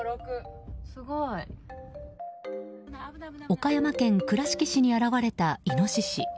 岡山県倉敷市に現れたイノシシ。